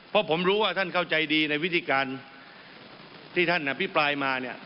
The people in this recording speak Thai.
เพราะผมรู้ว่าท่านเข้าใจดีในวิธีการที่ท่านอภิปรายมาเนี่ย